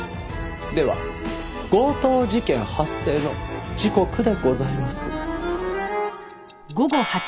では強盗事件発生の時刻でございます。